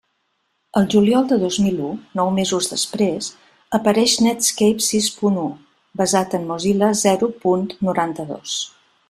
El juliol de dos mil u, nou mesos després, apareix Netscape sis punt u, basat en Mozilla zero punt noranta-dos.